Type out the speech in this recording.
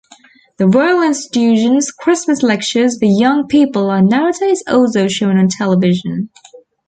The Royal Institution's Christmas Lectures for young people are nowadays also shown on television.